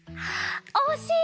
おしい。